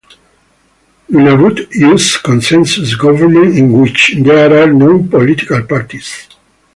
Nunavut uses consensus government in which there are no political parties.